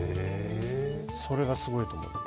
それがすごいと思います。